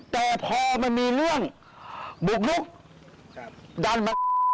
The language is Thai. แต่พอมันมีเรื่องบุกลุกดันมา